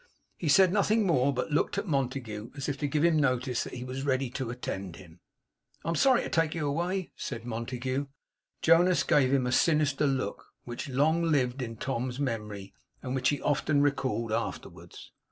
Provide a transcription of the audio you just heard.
He said nothing more; but looked at Montague as if to give him notice that he was ready to attend him. 'I am sorry to take you away,' said Montague. Jonas gave him a sinister look, which long lived in Tom's memory, and which he often recalled afterwards.